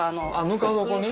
ぬか床に？